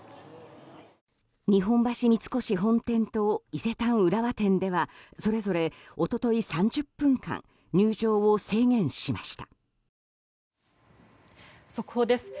日本橋三越本店と伊勢丹浦和店ではそれぞれ、一昨日３０分間入場を制限しました。